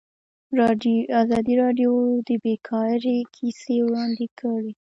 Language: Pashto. ازادي راډیو د بیکاري کیسې وړاندې کړي.